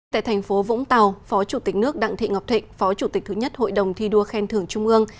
tại thành phố vũng tàu phó chủ tịch nước đặng thị ngọc thịnh phó chủ tịch thứ nhất hội đồng thi đua khen thưởng trung ương